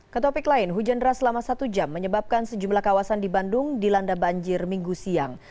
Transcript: ketopik lain hujan deras selama satu jam menyebabkan sejumlah kawasan di bandung dilanda banjir minggu siang